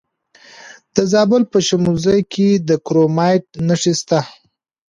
د زابل په شمولزای کې د کرومایټ نښې شته.